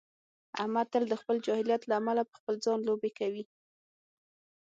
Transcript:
احمد تل د خپل جاهلیت له امله په خپل ځان لوبې کوي.